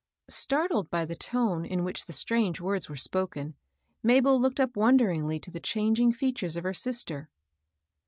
Startled by the tone in which the strange words were spoken, Mabel looked up wonderingly to the changing features of her sister.